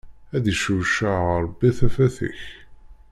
Ad iccewceɛ Ṛebbi tafat ik.